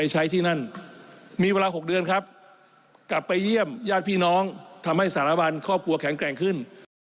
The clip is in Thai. กลับไปเยี่ยมญาติพี่น้องทำให้สถานบันครอบครัวแข็งแกร่งขึ้น